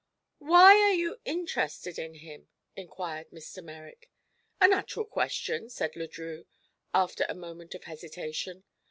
"Why are you interested in him?" inquired Mr. Merrick. "A natural question," said Le Drieux, after a moment of hesitation.